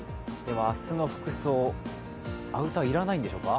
明日の服装、アウター要らないんでしょうか。